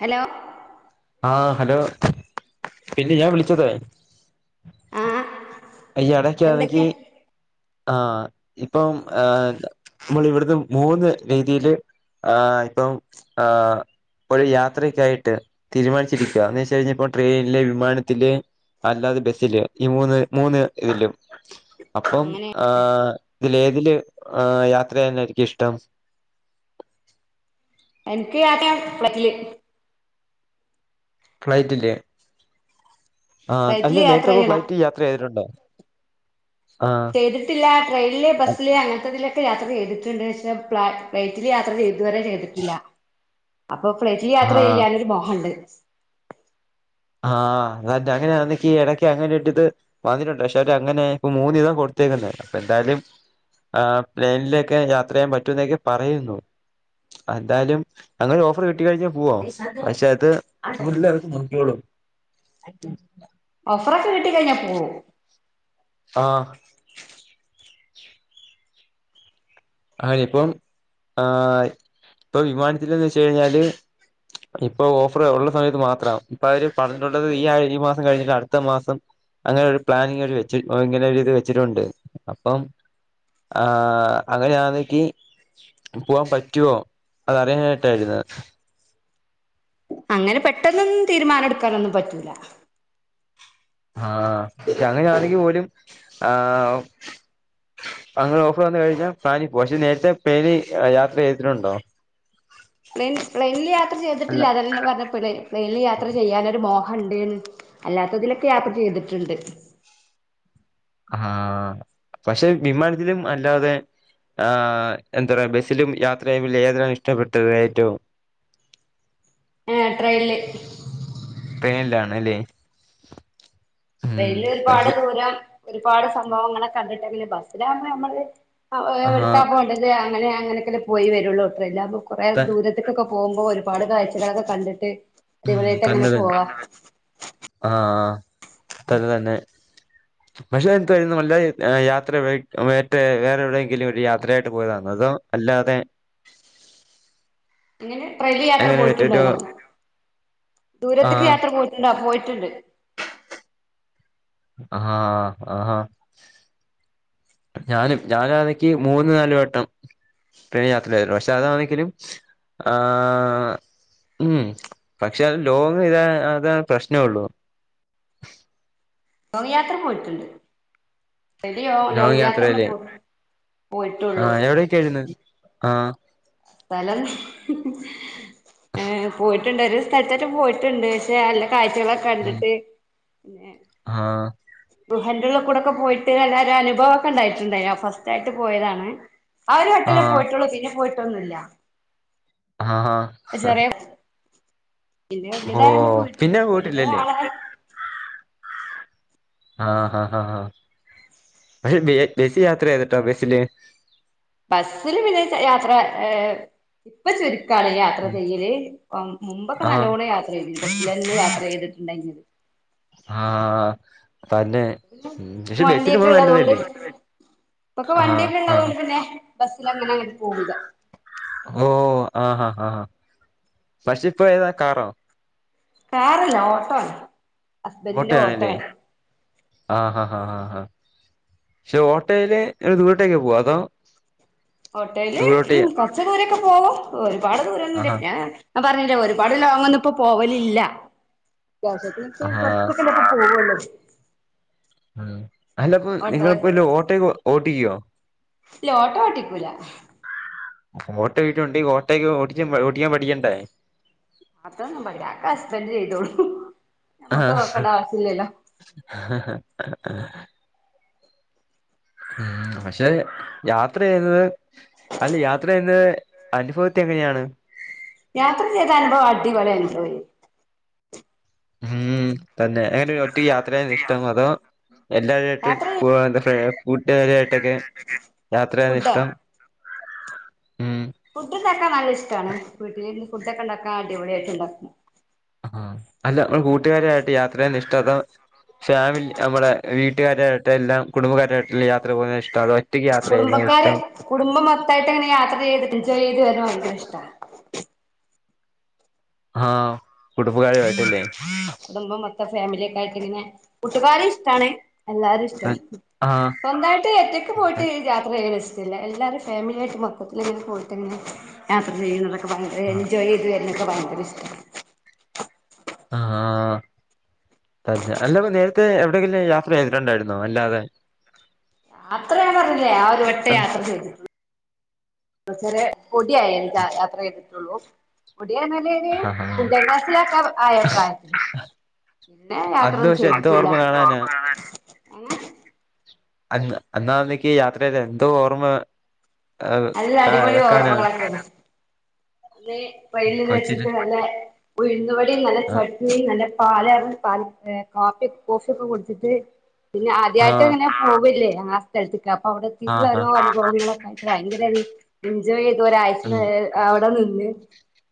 Hello ആഹ് hello. പിന്നെ ഞാൻ വിളിച്ചത്. ആഹ് ഈ ഇടയ്ക്ക് എന്തൊക്കെയ ആണെങ്കിൽ. ആഹ് ഇപ്പം ആഹ് നമ്മൾ ഇവിടുന്ന് മൂന്ന് രീതിയില്. ആഹ് ഇപ്പം ആഹ്. ഒരു യാത്രയ്ക്കായിട്ട് തീരുമാനിച്ചിരിക്കുവാ എന്നുവെച്ചു കഴിഞ്ഞാൽ ഇപ്പോൾ ട്രെയിനില് വിമാനത്തില്. അല്ലാതെ ബസില് ഈ മൂന്ന് മൂന്ന് ഇതിലും അപ്പം. അങ്ങനെ ആ ഇതിൽ ഏതില് ആഹ് യാത്ര ചെയ്യാനായിരിക്കും ഇഷ്ടം. എനിക്ക് ആണേൽ ഫ്ലൈറ്റില്. ഫ്ലൈറ്റില്. ആഹ് അല്ല ഫ്ലൈറ്റില് യാത്ര നേരത്തെ അപ്പോ ചെയ്യണം ഫ്ലൈറ്റ് യാത്ര ചെയ്തിട്ടുണ്ടോ, ആഹ്. ചെയ്തിട്ടില്ല ട്രെയില് ബസ്സില് അങ്ങനത്തെ ഇതിനൊക്കെ യാത്ര ചെയ്തിട്ടുണ്ട്, പക്ഷേ പ്ലാ ഫ്ലൈ ഇതില് യാത്ര ഇതുവരെ ചെയ്തിട്ടില്ല. അപ്പൊ ഫ്ലൈറ്റിൽ യാത്ര ആഹ് ചെയ്യാനൊരു മോഹമുണ്ട്. ആഹ് അത് അങ്ങനെയാണെങ്കിൽ ഇടയ്ക്ക് അങ്ങനെ ഒരു ഇത്. വന്നിട്ടുണ്ട് പക്ഷെ അവര് അങ്ങനെ ഇപ്പ മൂന്ന് ദിവസം കൊടുത്തേക്കുന്ന, അപ്പൊ എന്താലും. ആഹ് പ്ലെയിനിലൊക്കെ യാത്ര ചെയ്യാൻ പറ്റുവോ എന്നൊക്കെ പറയുന്നു എന്തായാലും. അങ്ങനെ ഓഫർ കിട്ടി കഴിഞ്ഞാൽ പോവോ, പക്ഷെ അത് മുത്ത് ആള് നോക്കിക്കൊള്ളും. [unintelligible] ഓഫർ ഒക്കെ കിട്ടി കഴിഞ്ഞാൽ പോവും. ആഹ്. ആഹ് ഇപ്പം ആഹ് ഇപ്പൊ വിമാനത്തിൽ എന്നുവെച്ചാ കഴിഞ്ഞാല്. ഇപ്പൊ ഓഫറുള്ള സമയത്ത് മാത്രം ഇപ്പ അവര് പറഞ്ഞിട്ടുള്ളത് ഈ ഒരു മാസം കഴിഞ്ഞിട്ട് അടുത്ത മാസം. അങ്ങനെ ഒരു പ്ലാനിങ് അവര് വെച്ച് ഓര് ഇത് വെച്ചിട്ടുണ്ട് അപ്പം. ആഹ്. അങ്ങനെ ആണെങ്കിൽ പോവാൻ പറ്റുവോ, അതറിയാനാട്ടായിരുന്നു. അങ്ങനെ പെട്ടെന്നൊന്നും തീരുമാനം എടുക്കാനൊന്നും പറ്റൂല. ആഹ് സമയം ആണെങ്കിൽ പോലും ആഹ്. അങ്ങനെ ഓഫർ വന്നു കഴിഞ്ഞാൽ പ്ലാനിൽ പോവും പക്ഷെ നേരത്തെ പ്ലെയിനി യാത്ര ചെയ്തിട്ടുണ്ടോ? പ്ലെൻ പ്ലെയിനിൽ യാത്ര അല്ല ചെയ്തിട്ടില്ല അതന്നെ പറഞ്ഞ പി പ്ലെയിനിൽ യാത്ര ചെയ്യാനൊരു മോഹം. അണ്ടേനു അല്ലാത്തതിലൊക്കെ യാത്ര ചെയ്തിട്ടുണ്ട്. ആഹ് പക്ഷെ വിമാനത്തിലും അല്ലാതെ. ആഹ് എന്താ പറയ ബസ്സിലും യാത്ര ചെയ്തതിൽ ഏതാണ് ഇഷ്ടപ്പെട്ടത് ഏറ്റവും. ഏഹ് ട്രെയ്ല് ട്രെയിനിലാണ് അല്ലേ? ഉം ട്രെയിനില് ഒരുപാട് പക്ഷെ ദൂരം ഒരുപാട് സംഭവങ്ങളെ കണ്ടിട്ട് അല്ലെ ബസ്സിലാകുമ്പോ ന്നമ്മള് ആ ആഹ് എവട്ക്കാ പോണ്ടെത് അങ്ങനെ അങ്ങനെയൊക്കെ പോയി വെരൊള്ളൂ ട്രെയിലാവുമ്പോ കൊറെ ത ദൂരെ ഒറ്റയ്ക്കൊക്കെ പോകുമ്പോ ഒരുപാട് കാഴ്ചളൊക്കെ കണ്ടിട്ട് ഉം അടിപൊളിയായിട്ട് തന്നെ തന്നെ അങ്ങനെപോവാം. ആഹ് അത് തന്നെ. പക്ഷെ എന്തരുന്നു വല്ല യാത്ര എവ് മറ്റേ വേറെ എവിടെയെങ്കിലും ഒരു യാത്രയായിട്ട് പോയതാന്നോ അതോ അല്ലാതെ [inaudible] എങ്ങനെ ട്രെയിനില് യാത്ര അങ്ങനെ മറ്റൊരു പോയിട്ടുണ്ടോന്നോ ദൂരെത്ത്ക്ക് ആഹ് യാത്ര പോയിട്ടുണ്ടോ പോയിട്ടുണ്ട്. ആഹ്, ആഹാ ഞാനും ഞാനാതിക്കി മൂന്ന്, നാല് വട്ടം ട്രെയ്നില് യാത്രചെയ്യ്തിരുന്നു പക്ഷെ അതാന്നെക്കിലും ആ ഉം പക്ഷെ ലോങ്ങ് ചെയ്യ്താ അതാണ് പ്രശ്നൊള്ളു. ലോങ്ങ്‌യാത്ര പോയിട്ടുണ്ട്. [unintelligible] ലോങ് ലോങ്ങ് യാത്രേന്നെ യാത്രയില് പോയ്‌ പോയിട്ടൊള്ളു. തെരുന്നത് ആഹ് സ്ഥലം ഏഹ് പോയിട്ടുണ്ടൊരു ക്കട്തെറ്റം പോയിട്ടുണ്ട് ക്ഷെ നല്ല കാഴ്ചകളൊക്കെ ഉം കണ്ടിട്ട് പിന്നെ ആഹ് ഗുഹെന്റെ ഉള്ള് കൂടെക്കെ പോയിട്ട്ല്ലാവരും അനുഭവൊക്കെ ഇണ്ടായിട്ടുണ്ടായിരുന്നു ഫസ്റ്റ് ആയിട്ട് പോയതാണ്. ആ ഒരു വെട്ടെന്നെ ആഹ് പോയിട്ടൊള്ളൂ പിന്നെ പോയിട്ടൊന്നുല്ല. ആഹാ ചെറിയെ പിന്നെ വല്യാതായപ്പം ഓഹ് പിന്നെ പോയിട്ടൊന്നുല്ല വല്യ പോയിട്ടില്ലല്ലേ ആവാ ആ ഹാ, ഹാ ഹാ പക്ഷെ ബെസി യാത്ര ചെയ്തിട്ടോ ബെസില് ബസ്സില് പിന്നെ യാത്ര ഏ ഇപ്പ ചുരുക്കാണ് യാത്ര ചെയ്യല് മുമ്പൊക്കെ ആഹ് നല്ലോണം യാ യാത്ര ചെയ്തിട്ടുണ്ട് എന്ത്‌ യാത്രചെയ്യ്ത്ട്ടുണ്ടെങ്കിലും. ആഹ് തന്നെ. ഉം പക്ഷെ ബസ്സില് വണ്ടിയൊക്കെ പോവാൻ ഇള്ളത്കൊണ്ട് നല്ലതല്ലേ ഇപ്പൊക്കെ ആഹ് വണ്ടിക്കെ ആഹ് ഇള്ളത്കൊണ്ട്പിന്നെ ബസ്സിൽ അങ്ങനെ, അങ്ങനെ പോവൂല. ഓ ആഹാ, ആഹാ പക്ഷെ ഇപ്പോ ഏതാ കാറോ? കാറല്ല ഓട്ടോ ആണ് ഹസ്ബന്റിന്റെ ഓട്ടോ ഓട്ടോയാണ്ല്ലെ ആണ് ആഹ് ഹ ഹ ഹാ ഹ ക്ഷെ ഓട്ടയില് ദൂരെട്ടേക്ക് പോവാ അതോ ഓട്ടയില് ദൂരോട്ട് ഉം കൊർച്ച് ദൂരൊക്കെ പോവും ഒരുപാട് ദൂരമൊന്നുല്ല ആഹാ ഞാൻ ഞാൻ പറഞ്ഞില്ലെ ഒരുപാട് ലോങ്ങൊന്നും ഇപ്പോ പോവലില്ല വഷത്തിനൊക്കെ ആഹാ കൊറൊച്ചൊക്കെ ആഹാ ഇപ്പ പോവല്ലോ ഉം അല്ലപ്പോ ഓട്ടോ നിങ്ങളിപ്പൊ ല്ല ഓട്ടെ ഓട്ടിക്കോ? ഇല്ല ഓട്ടോഓട്ടിക്കൂല. ഓട്ടോ വീട്ടിലുണ്ടെങ്കി ഓട്ടയൊക്കെ ഓടിക്കാൻ ഓടിക്കാൻ പഠിക്കണ്ടേ. അതോന്നും പഠിക്കുല അഹൊക്കെ ഹസ്ബന്റ് ചെയ്തോളും. നമ്മക്ക് ആഹ് നോക്കണ്ട ആവശ്യല്ലല്ലോ ഉം പക്ഷെ യാത്ര ചെയ്യ്ന്നത് അല്ലെ യാത്ര ചെയ്യ്ന്നത് അനുഫവത്തി എങ്ങനെയാണ്? യാത്ര ചെയ്ത അനുഭവം അടിപൊളി അനുഭവെയ്രുന്നു. ഉം തന്നെ എങ്ങനെ ഒറ്റക്ക് യാത്രചെയ്യാൻ ഇഷ്ട്ടമോ അതോ എല്ലാരേറ്റും യാത്ര കൂ എന്താ കൂട്ടുകരായിട്ടൊക്കെ യാത്രചെയ്യാൻ ഫുഡോ ഇഷ്ട്ടം ഉം ഫുഡ് ഇണ്ടാക്കാൻ നല്ലെ ഇഷ്ട്ടാണ് വീട്ടില് ഫുഡൊക്കെ ഇണ്ടാക്കാൻ അടിപൊളിയായിട്ട് ഇണ്ടാക്കും. ആഹ് അല്ല നമ്മൾ കൂട്ടുകാരായിട്ട് യാത്രയ്യെൻ ഇഷ്ട്ടം അതോ ഫാമിലി നമ്മളെ വീട്ടുകാരായിട്ട് എല്ലാം കുടുംബക്കാരായിട്ടല്ല യാത്ര പോവാൻ ഇഷ്ട്ടം അതോ ഒറ്റയ്ക്ക് യാത്ര ചെയ്യുന്നത് കുടുംബക്കാര് ഇഷ്ടം കുടുംബം മൊത്തായിട്ട് അങ്ങനെ യാത്ര ചെയ്ത് എൻജോയ് ചെയ്തു വരാൻ ഭയങ്കര ഇഷ്ട ആഹ് കുടുംബക്കാരുമായിട്ടല്ലേ കുടുംബം മൊത്തം ഫാമിലിയൊക്കെ ആയിട്ടിങ്ങനെ കുട്ടുകാരും ഇഷ്ടാണ് എല്ലാരും ഇഷ്ട ആഹ് സ്വന്തായിട്ട് ഒറ്റക്ക് പോയിട്ട് യാത്ര ചെയ്യൽ ഇഷ്ടല്ല എല്ലാരും ഫാമിലിയായിട്ട് മൊത്തത്തിലിങ്ങനെ പോയിട്ടങ്ങനെ യാത്ര ചെയ്യുന്നതൊക്കെ ഭയങ്കര ആഹ് എൻജോയ് ചെയ്ത് എനിക്ക് ഭയങ്കര ഇഷ്ടാ ആഹ് തന്നെ അല്ലപ്പ നേരത്തെ എവിടെയെങ്കിലും യാത്ര ചെയ്തിട്ടുണ്ടായിരുന്നോ അല്ലാതെ യാത്ര ഞാൻ പറഞ്ഞില്ലേ ആ ഒരു വട്ടെ യാത്ര ചെയ്തിട്ടു ഒള്ളൂ എന്നുവെച്ചാല് പൊടിയായി എനിക് യാത്ര ചെയ്തിട്ടുള്ളൂ പൊടി എന്ന് പറഞ്ഞാൽ ഒരു ആഹ് അഞ്ചാം ക്ലാസിലൊക്കെ ആയ പ്രായത്തിന് പിന്ന അന്ന് യാത്രൊന്നും പക്ഷെ എന്തോ ചെയ്തിട്ടില്ല ഓർമ്മ കാണാനാ അന്ന് അന്നാന്നക്ക് യാത്രൽ എന്തോ ഓർമ്മ നല്ല അടിപൊളി വെക്കാനാ [unintelligible] അന്നെ ട്രെയിനിൽ കൊച്ചില് വെച്ചിട്ട് നല്ല ഉഴുന്നു വടയും നല്ല ആഹ് ചട്നിയും നല്ല പാല് പാറന്ന് പാലും കാഫി കോഫിയൊക്കെ കുടിച്ചിട്ട് പിന്നെ ആദ്യയിട്ട് ആഹ് അങ്ങനെ പോവില്ലേ ആ സ്ഥലത്ത്ക്ക് അപ്പൊ അവിടെ എത്തീട്ടുള്ള ആഹ് ഒരു ആഹ് [unintelligible] ളെക്കെ ആയിട്ട് ഭയങ്കര ഒരു എൻജോയ് ചെയ്തു ഒരാഴ്ച ഉം അവിടെ നിന്ന്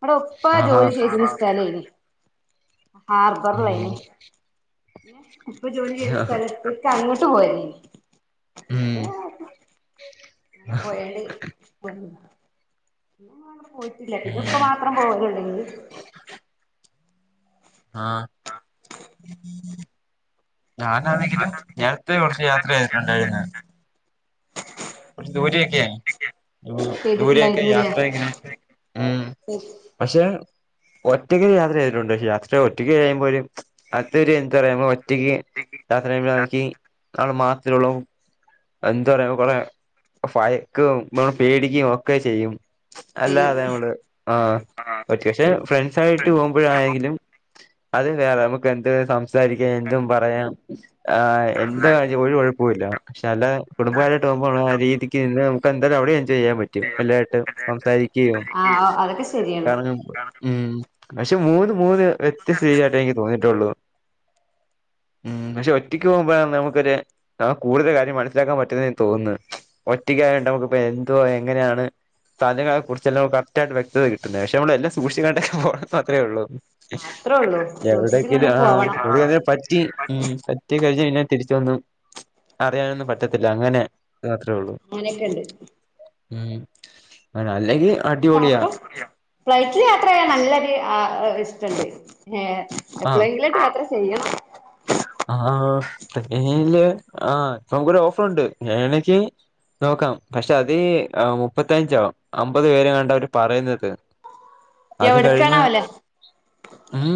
ഇവിടെ ഉപ്പ ആഹാ ജോലി ചെയ്തീനെ സ്ഥലേനിം ഉം ഹാർബറിലയ്നിം ഉപ്പ ജോലി ചെയ്ത സ്ഥലത്ത് അങ്ങോട്ട് പോയതെനിം ഉം പിന്നെ [unintelligible] [inaudible] പോയിട്ടില്ല പിന്ന ഉം ഉപ്പ മാത്രം പോവലൊള്ളയ്നിം ആഹ് ഞാനാണെങ്കിലും നേരത്തെ കുറച്ച് യാത്ര ചെയ്തിട്ടുണ്ടായിന്ന് കുറച്ച് ദൂരയൊക്കെയ് ദൂരയൊക്കെ ചെയ്തിട്ടുണ്ടായിരുന്നുല്ലേ യാത്ര ഇങ്ങനെ ഉം പക്ഷെ ഒറ്റക്ക് യാത്ര ചെയ്തിട്ടുണ്ട് പക്ഷേ യാത്ര ഒറ്റക്ക് ചെയ്യുമ്പോ ഒരു അതൊരു എന്താ പറയുമ്പോ റ്റക്ക് യാത്ര ചെയ്യുമ്പോൾ [unintelligible] ഭയക്കേം നമ്മ പേടിക്കയും ഒക്കെ ചെയ്യും ചെയ്യും അല്ലാതെ നമ്മള് ആഹ് പക്ഷെ ഫ്രണ്ട്സായിട്ട് പോകുമ്പയായെങ്കിലും അത് വേറെ നമുക്ക് എന്ത് സംസാരിക്കാം എന്തും പറയാം ആഹ് എന്ത കാര്യവ്യം ഒരു കുഴപ്പവും ഇല്ല പക്ഷെ അല്ല കുടുംബകാരുമായിട്ട് പോകുമ്പോള്ള കാര്യ- രീതിക്ക് നിന്ന് നമുക്ക് എന്തായാലും അവിടെ എജോയ് ചെയ്യാൻ പ റ്റും എല്ലായിട്ടും സംസാരിക്കുകയും ആഹ് അതൊക്കെ ശരിയാണ് കറങ്ങാൻ ഉം പക്ഷെ മൂന്ന് മൂന്ന് വ്യത്യസ്ത രീതിയിയിട്ടേ എനിക്ക് തോന്നിയാട്ടൊള്ളു ഉം പക്ഷെ ഒറ്റക്ക് പോകുമ്പോഴ നമുക്കൊരു കൂടുതൽ കാര്യം മനസ്സിലാക്കാൻ പറ്റുന്ന എനിക് തോന്നുന്ന് ഒറ്റക്കായണ്ട് നമുക്ക് ഇപ്പ എന്തോ എങ്ങനെയാണ് സ്ഥലങ്ങളെ കുറിച്ചെല്ലാം കറക്ട്ട വക്തായാ കിട്ടുന്നത് പക്ഷ നമ്മ എല്ലാം സൂക്ഷിച്ചുക്കണ്ടൊക്കെ പോണം മാത്രേ ഉള്ളൂ അത്രേ ഉള്ളൂ എവിടക്കലും സൂക്ഷിച്ചുംകണ്ട് ആഹ് പോവണം എവിടെ പറ്റി ഉം പറ്റ്- റ്റി കഴിഞ്ഞാ പിന്നെ തിരിച്ചൊന്നും അറിയാനൊന്നും പറ്റത്തില്ല അങ്ങനെ ത്രള്ളൂ അങ്ങനെയൊക്കെണ്ട് ഉം അങ്ങനെ അല്ലെങ്കി അ യാത്ര ഫ്ലൈറ്റില് യാത്രയാൻ നല്ലൊരു ഇഷ്ടണ്ട് ഏഹ് ആഹ് എപ്പോളെങ്കിലയിട്ട് യാത്ര ചെയ്യണം ആഹ് [unintelligible] മുക്കൊരു ഓഫറുണ്ട് [unintelligible] നോക്കാം പക്ഷെ അത് മുപ്പത്തയഞ്ചോ അമ്പത് പേരാ കണ്ട അവര് പറയുന്നത് അത് കഴിഞ്ഞ എവിടക്കാണാവല്ലേ ഉം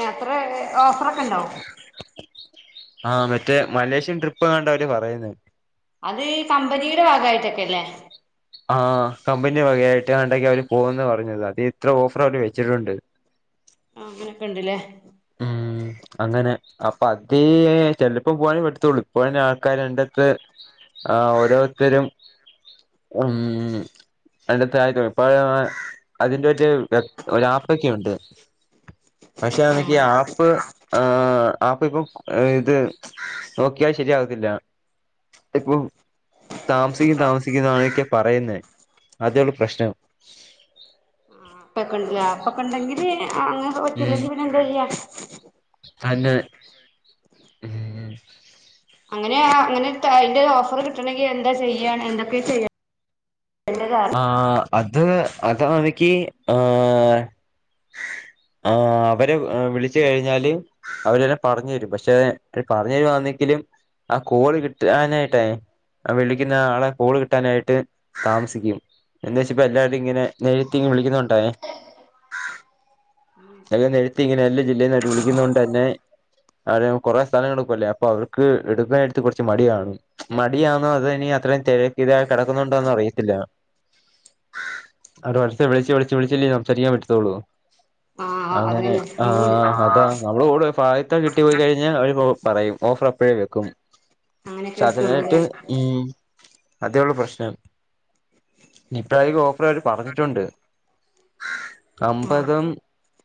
ഏഹ് അത്ര ഓഫർ ആഹ് മറ്റേ മലേഷ്യൻ ട്രിപ്പ് എങ്ങാണ്ട അവര് പറയുന്നേ അത് ഈ കമ്പനിയുടെ ഭാഗായിട്ടൊക്കെല്ലേ ആ കമ്പനി വകയായിട്ട് കണ്ടേക്കെ അവര് പോകന്ന് പറഞ്ഞത് അത് ഇത്ര ഓഫർ അവര് വെച്ചിട്ടുണ്ട് ആഹ് അങ്ങനൊക്കെണ്ട്ല്ലേ ഉം അങ്ങനെ അപ്പൊ അത് ചെല ഇപ്പം പോവനെ പറ്റത്തുള്ളൂ ഇപ്പൊ ആൾക്കാർ രണ്ടത്ത് ആ ഓരോരുത്തരും ഉം എണ്ടത്തെ ആയിക്കോ ഇപ്പ [unintelligible] അതിന്റെ ഒരു ഒ ആപക്കുണ്ട് പക്ഷെ അപ്പ ആ ആപ്പ്‌ ഇപ്പം ഇത് നോക്കിയാൽ ശരിയാകത്തില്ല ഇപ്പൊ താമസിക്കും താമസിക്കുന്നാണൊക്കെ പറയുന്നേ അതെള്ളൂ പ്രശ്നം ആപ്പൊക്കെണ്ടല്ലേ അപ്പൊക്കെണ്ടെങ്കില് അങ്ങെ ഉം പറ്റില്ലെങ്കി പിന്നെ എന്താ ചെയ്യാ അന്നെ ഉം അങ്ങനെ അങ്ങനെ അതിന്റെ ഓഫർ കിട്ടണെങ്കിൽ എന്താ ചെയ്യാണ് എന്തൊക്കെ ചെയ്യാം ചെയ്യണ്ടത് അറി ആഹ് അത് അതാ എനിക്ക് ആഹ് അവരെ വിളിച്ചു കഴിഞ്ഞാല് അവരല്ലാം പറഞ്ഞു തരും പക്ഷെ പറഞ്ഞു തരുവാന്നെങ്കിലും ആ കോള് കിട്ടാനായിട്ടേ ആ വിളിക്കുന്ന ആളെ കോള് കിട്ടാനായിട്ട് താമസിക്കും എന്താ വെച്ച എല്ലാരും ഇങ്ങനെ നെരത്തീ വിളിക്കുന്നോണ്ടേ അതെ നിരത്തി ഇങ്ങനെ എല്ലാ ജില്ലയി ന്നായിട്ട് വിളിക്കുന്ന കൊണ്ടന്നെ ആ കുറേ സമയടുക്കൂല്ലേ അപ്പൊ അവർക്ക് എടുക്കാനായിട്ട് കുറച്ച് മടികാണും മടിയാണോ അതനി അത്രയും തിരക്ക് ഇത കിടക്കുന്നുണ്ടോന്നറിയത്തില്ല ഒരു വർഷം വിളിച്ച് വിളിച്ച് വിളിച്ചില്ലേ സംസാരിക്കാൻ പറ്റത്തുള്ളൂ ആഹ് അങ്ങനെ അതന്നെ ആഹ അതാ നമ്മള് [unintelligible] ആദ്യത്തെ കിട്ടി പോയി കഴിഞ്ഞ ഞാൻ പറയും ഓഫർ അപ്പഴേ വെക്കും അങ്ങനെയൊക്കെ പക്ഷെ കിട്ടുള്ളൂല്ലേ അതിനായിട്ട് ഉം അതേള്ളൂ പ്രശ്ണം ഇപ്പൊഴക്ക് ഓഫറെയിട്ട് പറഞ്ഞിട്ടുണ്ട് അമ്പതും ആഹ്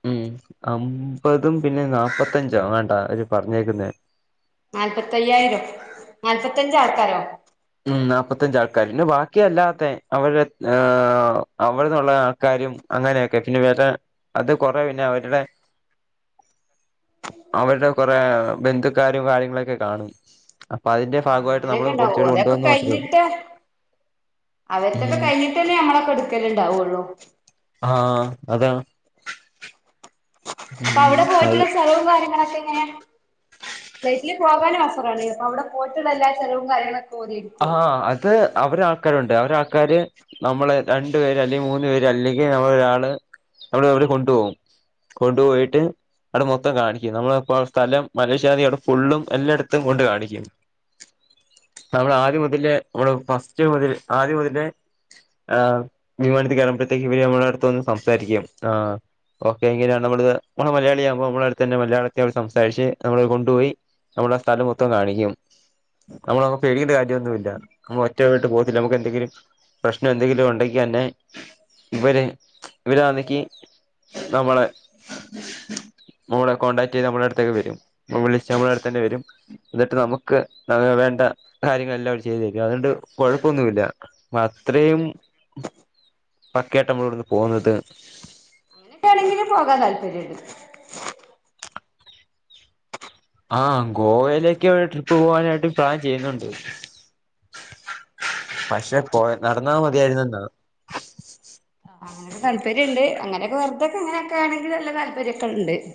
ഉം അമ്പതും പിന്നെ നാൽപ്പത്തഞ്ചോണ്ടാ ഓര് പറഞ്ഞേക്കുന്നെ നാല്പത്തയ്യായിരം നാല്പത്തഞ്ചാൾക്കാരോ ഉം നാല്പ്പത്തഞ്ചാൾക്കാര് പിന്നെ ബാക്കിയല്ലാത്ത അവടെ അവിടെന്നുള്ള ആൾക്കാരും അങ്ങനെയൊക്കെ പിന്നെ വേറെ അത് കൊറേ പിന്നെ അവരുടെ അവരുടെ കുറെ ബന്ധുക്കാരും കാര്യങ്ങളൊക്കെ കാണും അപ്പൊ അതിന്റെ ആഹ് ഭാഗമായിട്ട് അങ്ങനെയൊക്കെ നമ്മള് കൊടു ഉണ്ടാവും ഓലൊക്കെ കഴഞ്ഞിട്ട് അവർത്തൊക്കെ ഉം കയിഞ്ഞിട്ടല്ലേ നമ്മളൊക്കെ എടുക്കലുണ്ടാവുള്ളു ആഹ് അതാ അപ്പൊ ഉം അവിടെ അത് പോയിട്ട് സ്ഥലവും കാര്യങ്ങളൊക്കെ എങ്ങനെയാ ഫ്ലൈറ്റില് പോകാനും അവസരലെ അപ്പൊ അവിടെ പോയിട്ടുള്ള എല്ലാ ചിലവും കാര്യങ്ങളൊക്കെ ഓര് എടുക്കുവോ ആഹ് അത് അവരെ ആൾക്കാരുണ്ട് അവരെ ആൾക്കാര് നമ്മള് രണ്ടു പേര് അല്ലെങ്കിൽ മൂന്നു പേര് അല്ലെങ്കിൽ നമ്മളൊരാള് നമ്മള് ഓല് കൊണ്ടുപോകും കൊണ്ടുപോയിട്ട് അവിടെ മൊത്തം കാണിക്കും നമ്മളപ്പോ സ്ഥലം മലേഷ്യാ അവിടെ ഫുള്ളും എല്ലായിടത്തും കൊണ്ട് കാണിക്കും നമ്മൾ ആദ്യം മുതലെ നമ്മള് ഫസ്റ്റ് മുതൽ ആദ്യം മുതലെ ആഹ് വിമാനത്തിൽ കേറുമ്പോഴത്തേക്ക് ഇവര് നമ്മുടെ അടുത്തുവന്ന് സംസാരിക്കും ആഹ് ഓക്കെ എങ്ങനെയ നമ്മളത് നമ്മള് മലയാളിയാകുമ്പോ നമ്മളടുതന്നെ മലയാളത്തിൽ സംസാരിച്ച് നമ്മളെ കൊണ്ടുപോയി നമ്മളെ സ്ഥലം മൊത്തം കാണിക്കും നമ്മളൊ പേടിക്കണ്ട കാര്യമൊന്നുല്ല നമ്മ ഒറ്റവിട്ട് പോത്തില്ല നമുക്ക് എന്തെങ്കിലും പ്രശ്നം എന്തെങ്കിലും ഉണ്ടെങ്കി തന്നെ ഇവര് ഇവരാണെങ്കി നമ്മളെ നമ്മളെ കോൺടാക്ട് ചെയ്ത് നമ്മുടെ അടുത്തേക്ക് വരും വിളിച്ച നമ്മളെടുത്തു തന്നെ വരും എന്നിട്ട് നമുക്ക് വേണ്ട കാര്യങ്ങളെല്ലാം അവര് ചെയ്തു തരും അതുകൊണ്ട് കൊഴപ്പൊന്നുല്ല അത്രയും പക്കയായിട്ടാ നമ്മളിവിടുന്ന് പോന്നത് എനിക്ക് ആണെങ്കില് പോകാൻ താല്പര്യമുണ്ട് ആഹ് ഗോവയിലേക്കെവിടെ ട്രിപ്പ് പോവാനായിട്ട് പ്ലാൻ ചെയ്യുന്നുണ്ട് പക്ഷെ പോ നടന്നാ മതിയായിരുന്നു എന്നാ അങ്ങനെ താല്പര്യം ഉണ്ട് അങ്ങനൊക്കെ വെറുതൊക്കെ അങ്ങനൊക്കെ ആണെങ്കി നല്ല താല്പര്യൊക്കെ ഉണ്ട്